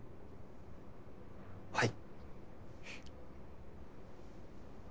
はい。